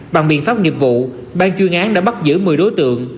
bằng biện pháp nghiệp vụ ban chuyên án đã bắt giữ một mươi đối tượng